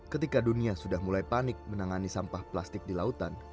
ketika dunia sudah mulai panik menangani sampah plastik di lautan